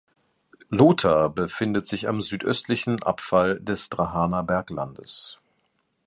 Lhota befindet sich am südöstlichen Abfall des Drahaner Berglandes.